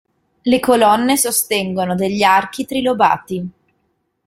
Le colonne sostengono degli archi trilobati.